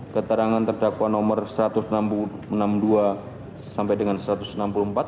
keterangan terdakwa nomor satu ratus enam puluh dua sampai dengan satu ratus enam puluh empat